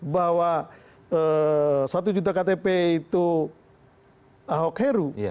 bahwa satu juta ktp itu ahok heru